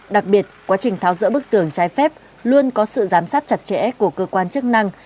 đặc biệt quá trình tháo rỡ bức tường trái phép luôn có sự giám sát chặt chẽ của cơ quan chức năng